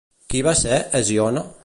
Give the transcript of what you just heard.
Qui va ser Hesíone?